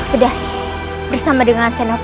kau akan nang pemungkukmu